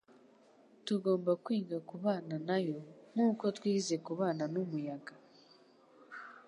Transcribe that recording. tugomba kwiga kubana nayo - nk'uko twize kubana n'umuyaga. ”